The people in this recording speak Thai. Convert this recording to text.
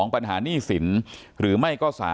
ปัญหาหนี้สินหรือไม่ก็๓